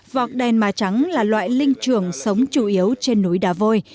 vọc đen má trắng là loại linh trường sống chủ yếu trên núi đà vôi